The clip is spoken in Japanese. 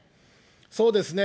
そうですね。